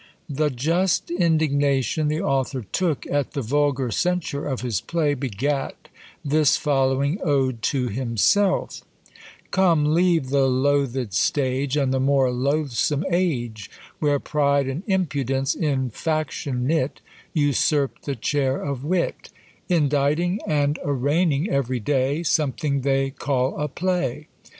"The just indignation the author took at the vulgar censure of his play, begat this following Ode to himself: Come, leave the loathed stage, And the more loathsome age; Where pride and impudence (in faction knit,) Usurp the chair of wit; Inditing and arraigning every day Something they call a play.